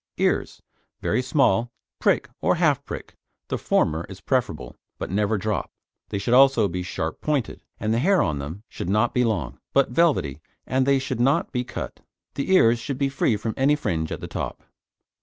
EARS Very small, prick or half prick (the former is preferable), but never drop. They should also be sharp pointed, and the hair on them should not be long, but velvety, and they should not be cut. The ears should be free from any fringe at the top.